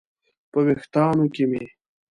په ویښتانو کې مې